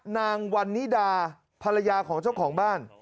นางวันนิดาภรรยาของเจ้าของบ้าน